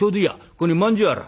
ここにまんじゅうあら。